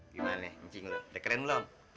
gimana incing udah keren belum